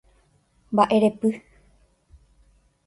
Mba'erepy.